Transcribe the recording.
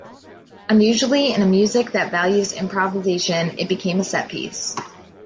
Unusually in a music that values improvisation, it became a set piece.